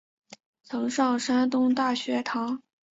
曾上山东大学堂。